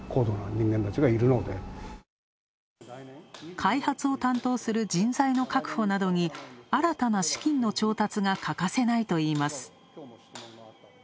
開発を担当する人材の確保などに新たな資金の調達が欠かせないといいます。